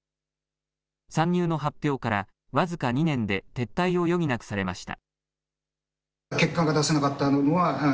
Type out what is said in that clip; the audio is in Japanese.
参入の発表から僅か２年で撤退を余儀なくされました。